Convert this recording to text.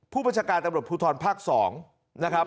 ผู้บัญชาการตำรวจภูทรภาค๒นะครับ